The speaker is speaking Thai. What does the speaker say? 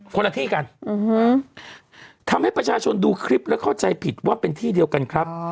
คนละที่กันทำให้ประชาชนดูคลิปและเข้าใจผิดว่าเป็นที่เดียวกันครับ